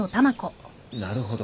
なるほど。